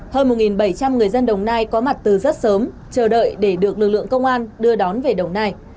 hơn một bảy trăm linh người dân đồng nai có mặt từ rất sớm chờ đợi để được lực lượng công an đưa đón về đồng nai